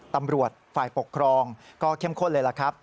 ตำรวจฝ่ายปกครองก็เข้มข้นเลยล่ะครับ